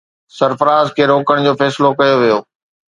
سرفراز کي روڪڻ جو فيصلو ڪيو ويو.